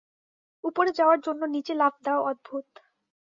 উপরে যাওয়ার জন্য নিচে লাফ দেওয়া, অদ্ভূত।